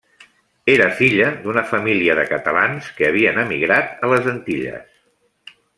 Era filla d'una família de catalans que havien emigrat a les Antilles.